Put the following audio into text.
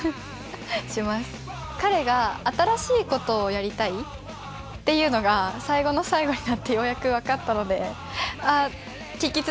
彼が新しいことをやりたいっていうのが最後の最後になってようやく分かったのでああ聞き続けてよかったな。